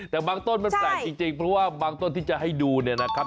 แต่บางต้นมันแปลกจริงเพราะว่าบางต้นที่จะให้ดูเนี่ยนะครับ